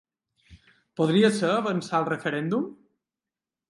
Podria ser avançar el referèndum?